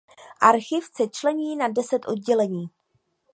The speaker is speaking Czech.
Archiv se člení na deset oddělení.